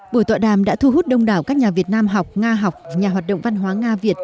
buổi tọa đàm đã thu hút đông đảo các nhà việt nam học nga học nhà hoạt động văn hóa nga việt